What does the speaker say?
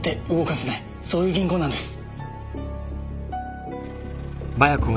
そういう銀行なんです。